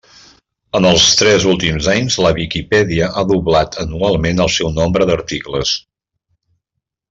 En els tres últims anys la Viquipèdia ha doblat anualment el seu nombre d'articles.